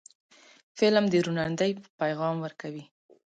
فلم د روڼ اندۍ پیغام ورکوي